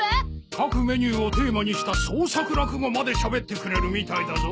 各メニューをテーマにした創作落語までしゃべってくれるみたいだぞ。